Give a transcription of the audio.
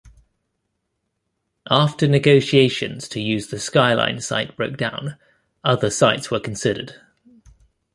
After negotiations to use the Skyline site broke down, other sites were considered.